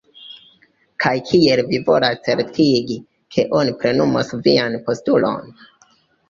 Kaj kiel vi volas certigi, ke oni plenumos vian postulon?